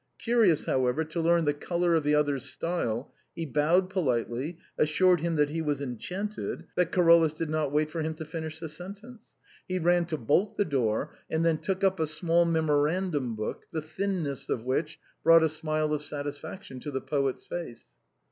Curious, however, to learn the color of the other's style, he bowed politely, as sured him that he was enchanted, that — Carolus did not wait for him to finish the sentence. He ran to bolt the door, and then took up a small memoran dum book, the thinness of which brought a smile of satis faction to the poet's face.